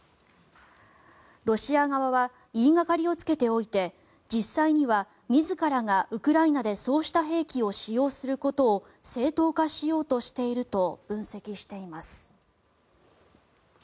ロシア側は言いがかりをつけておいて実際には自らがウクライナでそうした兵器を使用することを正当化しようとしていると分析しています。